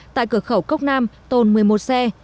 tại cửa khẩu cốc nam tồn một mươi một xe